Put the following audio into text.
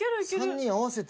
３人合わせて。